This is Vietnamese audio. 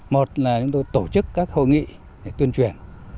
một là chúng tôi tổ chức các hội nghị tuyên truyền